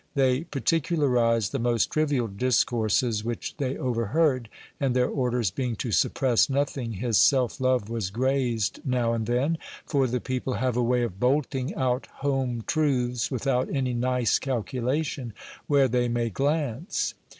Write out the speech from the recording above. They particularized the most trivial discourses which they overheard ; and their orders being to suppress nothing, his self love was grazed now and then, for the people have a way of bolting out home truths, without any nice calculation where they may glance.